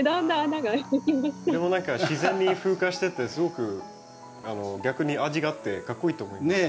何か自然に風化しててすごく逆に味があってかっこいいと思います。